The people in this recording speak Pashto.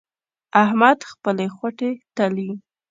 احمد خپلې خوټې تلي.